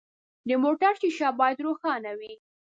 د موټر شیشه باید روښانه وي.